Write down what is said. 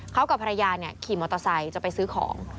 เขากับภรรยาขี่มอเตอร์ไซค์จะไปซื้อของ